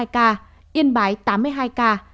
yên bái tám mươi hai ca